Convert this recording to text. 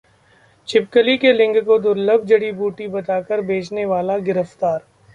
छिपकली के लिंग को दु्र्लभ जड़ी-बूटी बताकर बेचने वाला गिरफ्तार